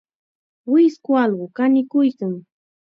Wisku allqu kanikuykan.